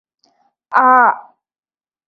ആ